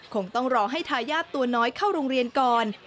คงต้องรอให้ทายาทตัวน้อยเข้าโรงเรียนก่อน